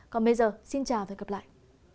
còn bây giờ xin chào và hẹn gặp lại